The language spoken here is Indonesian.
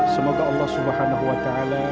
semoga allah swt